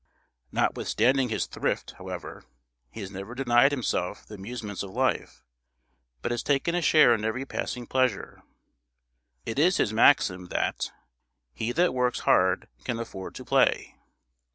Notwithstanding his thrift, however, he has never denied himself the amusements of life, but has taken a share in every passing pleasure. It is his maxim, that "he that works hard can afford to play."